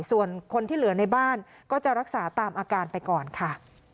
ส่วนคนที่เหลือในบ้านก็จะรักษาตามอาการไปก่อนค่ะ